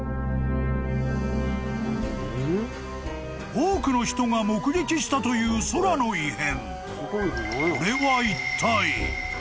［多くの人が目撃したという空の異変］